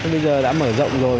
bây giờ đã mở rộng rồi